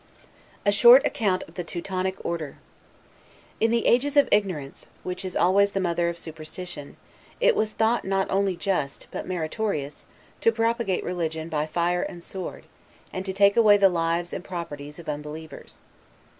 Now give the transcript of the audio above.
A SHORT ACCOUNT OF THE TEUTONIC ORDER In the ages of ignorance, which is always the mother of superstition, it was thought not only just, but meritorious, to propagate religion by fire and sword, and to take away the lives and properties of unbelievers.